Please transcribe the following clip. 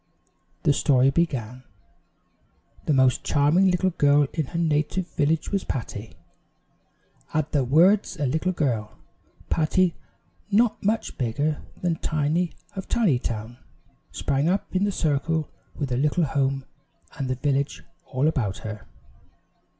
The story began: "The most charming little girl in her native village was Patty " At the words a little girl, Patty, not much bigger than Tiny of Tinytown sprang up in the circle with her little home and the village all about her.